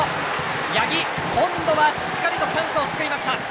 八木、今度はしっかりとチャンスを作りました。